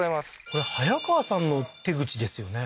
これ早川さんの手口ですよね